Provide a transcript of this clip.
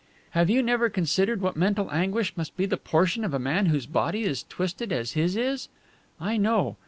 "Have you never considered what mental anguish must be the portion of a man whose body is twisted as his is? I know.